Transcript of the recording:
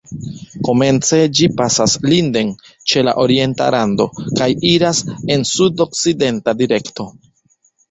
Komence ĝi pasas Linden ĉe la orienta rando kaj iras en sud-sudokcidenta direkto.